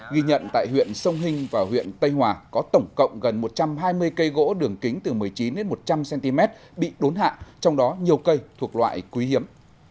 ghi nhận tại huyện sông hinh và huyện tây hòa có tổng cộng gần một trăm hai mươi cây gỗ đường kính từ một mươi chín một trăm linh cm bị đốn hạ trong đó nhiều cây thuộc loại quý hiếm